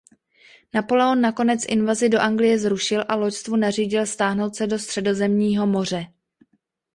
Napoleon nakonec invazi do Anglie zrušil a loďstvu nařídil stáhnout se do Středozemního moře.